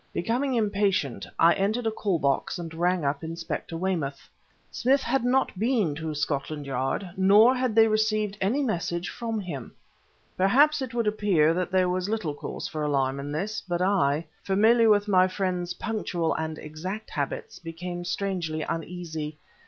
Becoming impatient, I entered a call box and rang up Inspector Weymouth. Smith had not been to Scotland Yard, nor had they received any message from him. Perhaps it would appear that there was little cause for alarm in this, but I, familiar with my friend's punctual and exact habits, became strangely uneasy.